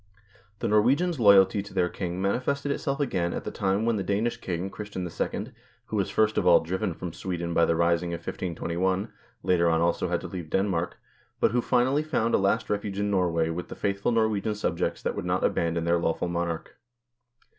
The Norwegians' loyalty to their king manifested itself again at the time when the Danish king, Christian II., who was first of all driven from Sweden by the rising of 1521, later on also had to leave Denmark, but who finally found a last refuge in Norway with the faithful Norwegian subjects that would not abandon their lawful monarch.